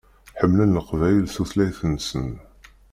Ḥemmlen Leqbayel tutlayt-nsen.